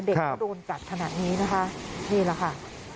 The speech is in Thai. เด็กก็โดนกัดขนาดนี้นะคะนี่แหละค่ะ